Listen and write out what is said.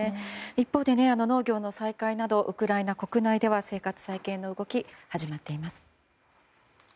一方で農業の再開などウクライナ国内では生活再建の動きが始まっています。